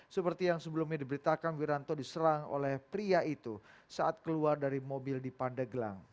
seperti yang sebelumnya diberitakan wiranto diserang oleh pria itu saat keluar dari mobil di pandeglang